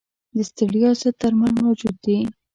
د ستړیا ضد درمل موجود دي.